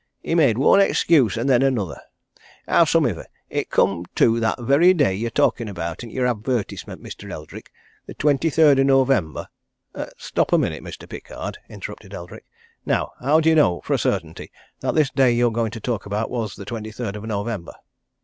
He made one excuse and then another howsumivver, it come to that very day you're talkin' about i' your advertisement, Mr. Eldrick the twenty third o' November " "Stop a minute, Mr. Pickard," interrupted Eldrick. "Now, how do you know for a certainty that this day you're going to talk about was the twenty third of November?"